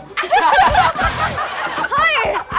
เฮ่ย